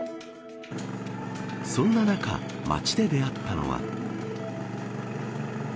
そんな中、町で出会ったのは。